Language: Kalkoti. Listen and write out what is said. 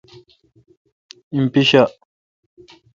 ایم پیݭا ۔